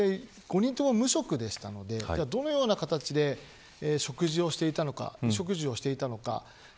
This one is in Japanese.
全員無職でしたのでどういう形で食事をしていたのか衣食住をしていたのか。